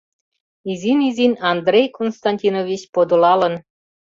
Изин-изин Андрей Константинович подылалын...